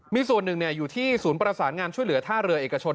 มีส่วนหนึ่งอยู่ที่ศูนย์ประสานงานช่วยเหลือท่าเรือเอกชน